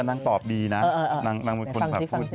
แต่นางตอบดีนะนางเป็นคนผลักพูดดีฟังสิ